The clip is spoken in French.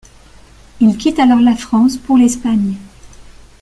Il quitte alors la France pour l'Espagne.